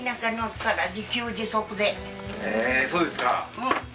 えそうですか。